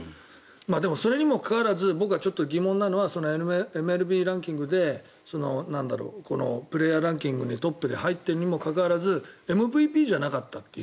でも、それにもかかわらず僕はちょっと疑問なのはＭＬＢランキングでプレーヤーランキングでトップに入ってるにもかかわらずＭＶＰじゃなかったという。